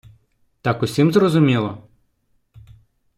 Так усім зрозуміло?